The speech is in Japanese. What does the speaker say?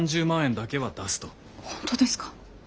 本当ですか？